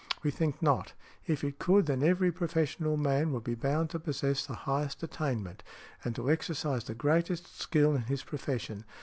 We think not. If it could, then every professional man would be bound to possess the highest attainment, and to exercise the greatest skill in his profession.